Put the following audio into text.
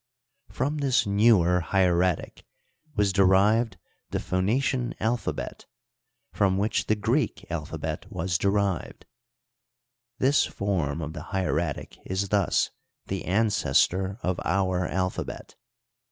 From this newer hiC" ratic was derived the Phoenician alphabet, from which the Greek alphabet was derived. This form of the hieratic is thus the ancestor of our alphabet.